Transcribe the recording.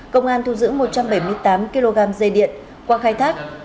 công an thu giữ một trăm bảy mươi tám kg dây điện qua khai thác